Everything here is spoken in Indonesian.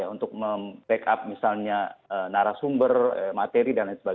untuk mem backup misalnya narasumber materi dsb